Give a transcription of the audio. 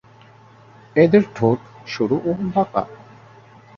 এদের ঠোঁট সরু ও বাঁকা।